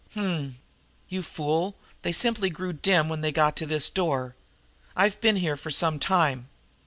"H'm! You fool, they simply grew dim when they got to this door. I've been here for some time.